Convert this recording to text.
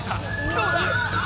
どうだ？